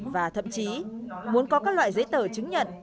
và thậm chí muốn có các loại giấy tờ chứng nhận